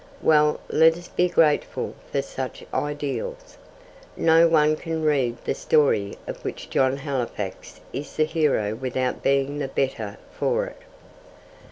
Well, let us be grateful for such ideals. No one can read the story of which John Halifax is the hero without being the better for it.